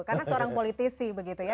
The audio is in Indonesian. karena seorang politisi begitu ya